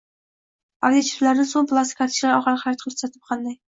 Aviachiptalarni so‘m plastik kartochkalari orqali xarid qilish tartibi qanday?